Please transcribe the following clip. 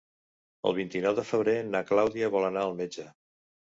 El vint-i-nou de febrer na Clàudia vol anar al metge.